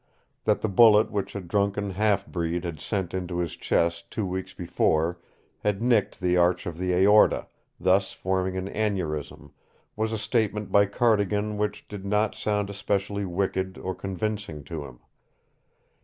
That the bullet which a drunken half breed had sent into his chest two weeks before had nicked the arch of the aorta, thus forming an aneurism, was a statement by Cardigan which did not sound especially wicked or convincing to him.